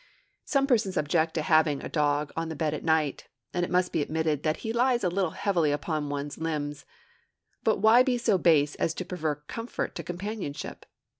Some persons object to having a dog on the bed at night; and it must be admitted that he lies a little heavily upon one's limbs; but why be so base as to prefer comfort to companionship!